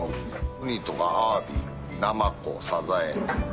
ウニとかアワビナマコサザエ。